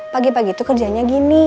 pagi pagi itu kerjanya gini